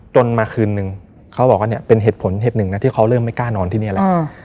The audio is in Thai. มาคืนนึงเขาบอกว่าเนี่ยเป็นเหตุผลเหตุหนึ่งนะที่เขาเริ่มไม่กล้านอนที่นี่แล้ว